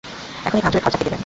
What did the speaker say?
এখন এই ভাঙচুরের খরচা কে দেবে?